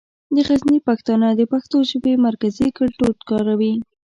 د غزني پښتانه د پښتو ژبې مرکزي ګړدود کاروي.